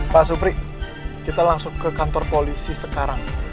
pak supri kita langsung ke kantor polisi sekarang